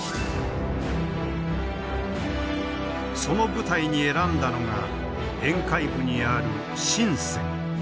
その舞台に選んだのが沿海部にある深。